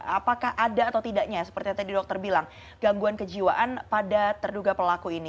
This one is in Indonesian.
apakah ada atau tidaknya seperti yang tadi dokter bilang gangguan kejiwaan pada terduga pelaku ini